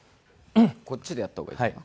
こっちでやった方がいいかな？